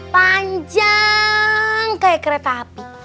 panjang kayak kereta api